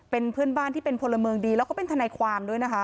เป็นเพื่อนบ้านที่เป็นพลเมืองดีแล้วก็เป็นทนายความด้วยนะคะ